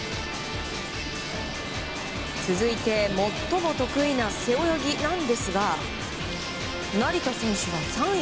続いて、最も得意な背泳ぎなんですが成田選手は３位。